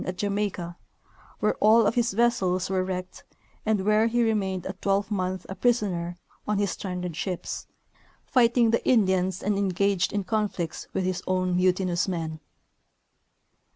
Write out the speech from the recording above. at Jamaica, where all of his vessels were wrecked and where he remained a twelvemonth a prisoner on his stranded ships, fighting the Indians and engaged in conflicts with his own mutinous men.